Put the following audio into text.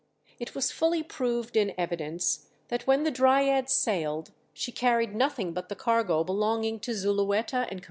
It was fully proved in evidence that when the 'Dryad' sailed she carried nothing but the cargo belonging to Zulueta and Co.